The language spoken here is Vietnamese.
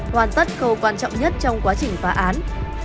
hoàn tất khâu quan trọng nhất trong quá trình phá án